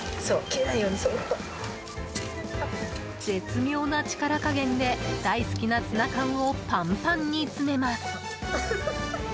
絶妙な力加減で大好きなツナ缶をパンパンに詰めます。